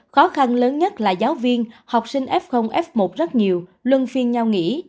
khó khăn lớn nhất là giáo viên học sinh f f một rất nhiều luân phiên nhau nghỉ